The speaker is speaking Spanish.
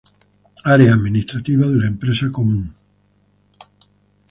Áreas Administradas de la empresa donde es común;